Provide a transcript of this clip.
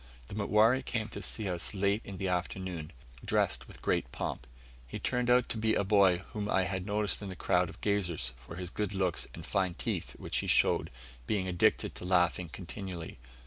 The Mutware came to see us late in the afternoon, dressed with great pomp. He turned out to be a boy whom I had noticed in the crowd of gazers for his good looks and fine teeth, which he showed, being addicted to laughing continually.